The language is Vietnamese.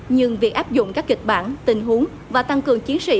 nhưng việc áp dụng các kịch bản tình huống và tăng cường chiến sĩ